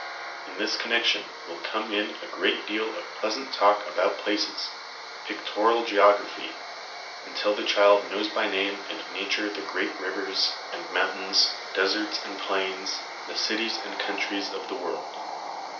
In this con nection will come in a great deal of pleasant talk about places, ' pictorial geography/ until the child knows by name and nature the great rivers and mountains, deserts and plains, the cities and countries of the world.